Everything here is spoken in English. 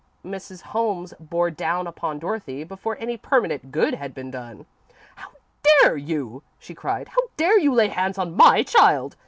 Mrs. Holmes bore down upon Dorothy before any permanent good had been done. "How dare you!" she cried. "How dare you lay hands on my child!